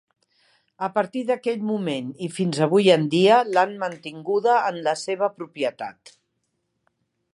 A partir d'aquell moment i fins avui en dia, l'han mantinguda en la seva propietat.